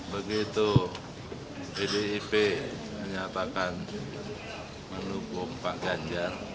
begitu pdip menyatakan mendukung pak ganjar